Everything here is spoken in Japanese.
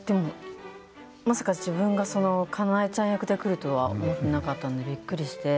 まさか自分にかなえちゃん役がくると思っていなかったのでびっくりして。